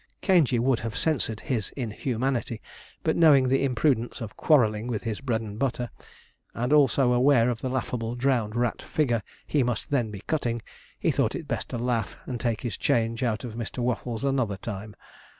Caingey would have censured his inhumanity, but knowing the imprudence of quarrelling with his bread and butter, and also aware of the laughable, drowned rat figure he must then be cutting, he thought it best to laugh, and take his change out of Mr. Waffles another time.